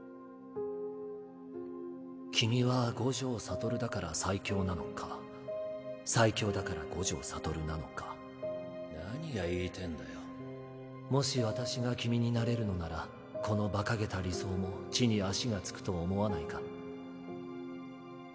君は五条悟だから最強なのか最強だから五条悟なのか何が言いてぇんだよもし私が君になれるのならこのバカげた理想も地に足が着くと思わないか？